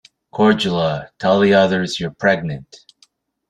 "Cordula: Tell the others you're pregnant!".